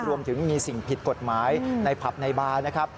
รวมถึงมีสิ่งผิดกฎหมายในผับในบาร์นะครับ